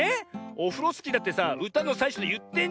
オフロスキーだってさうたのさいしょでいってんじゃん。でしょ。